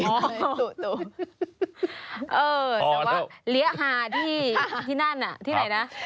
เออแต่ว่าเลี้ยฮาที่นั่นที่ไหนนะ